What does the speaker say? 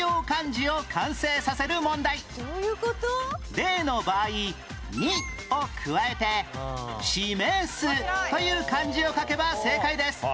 例の場合「二」を加えて「示す」という漢字を書けば正解です